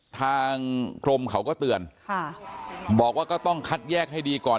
ทางกรมเขาก็เตือนค่ะบอกว่าก็ต้องคัดแยกให้ดีก่อน